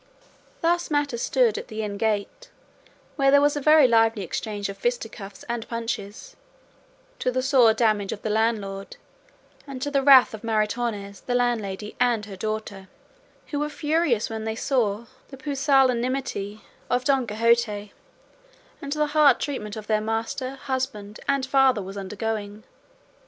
Thus matters stood at the inn gate, where there was a very lively exchange of fisticuffs and punches, to the sore damage of the landlord and to the wrath of Maritornes, the landlady, and her daughter, who were furious when they saw the pusillanimity of Don Quixote, and the hard treatment their master, husband and father was undergoing.